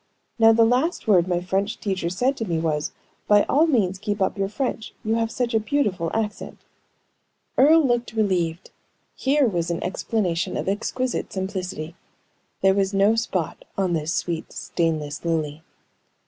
Now the last word my French teacher said to me was, 'By all means keep up your French; you have such a beautiful accent.'" Earle looked relieved. Here was an explanation of exquisite simplicity. There was no spot on this sweet, stainless lily.